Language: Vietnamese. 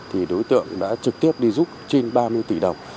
liên tiếp đi giúp trên ba mươi tỷ đồng